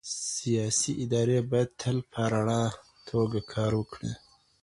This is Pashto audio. سياسي ادارې بايد تل په رڼه توګه کار وکړي.